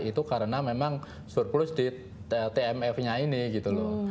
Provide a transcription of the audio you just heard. itu karena memang surplus di tmf nya ini gitu loh